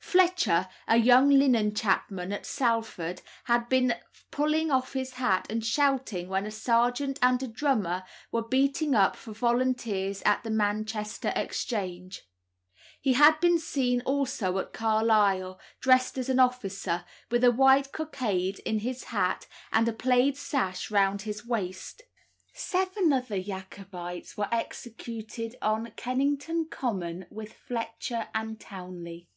Fletcher, a young linen chapman at Salford, had been seen pulling off his hat and shouting when a sergeant and a drummer were beating up for volunteers at the Manchester Exchange. He had been seen also at Carlisle, dressed as an officer, with a white cockade in his hat and a plaid sash round his waist. Seven other Jacobites were executed on Kennington Common with Fletcher and Townley.